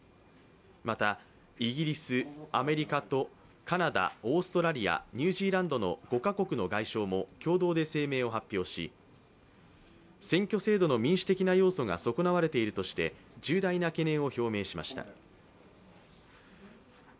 また、イギリス、アメリカとカナダ、オーストラリア、ニュージーランドの５カ国の外相も共同で声明を発表し選挙制度の民主的な要素が損なわれているとして重大な懸念を表明しました。